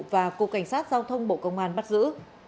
và cục cảnh sát giao thông bộ công an bắt giữ